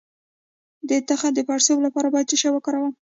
د تخه د پړسوب لپاره باید څه شی وکاروم؟